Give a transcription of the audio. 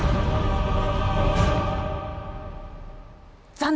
残念。